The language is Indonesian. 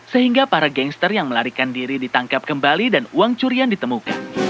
sehingga para gangster yang melarikan diri ditangkap kembali dan uang curian ditemukan